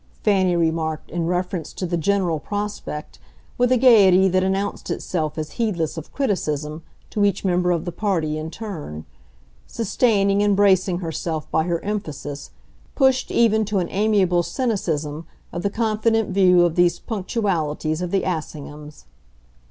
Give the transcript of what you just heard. Fanny remarked, in reference to the general prospect, with a gaiety that announced itself as heedless of criticism, to each member of the party in turn; sustaining and bracing herself by her emphasis, pushed even to an amiable cynicism, of the confident view of these punctualities of the Assinghams.